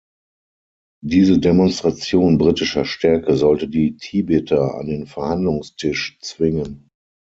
Diese Demonstration britischer Stärke sollte die Tibeter an den Verhandlungstisch zwingen.